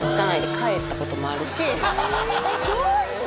どうして？